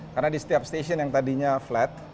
karena di setiap stasiun yang tadinya flat